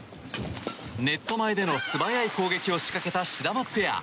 ネット前での素早い攻撃を仕掛けたシダマツペア。